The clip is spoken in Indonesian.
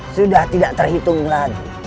sudah tidak terhitung lagi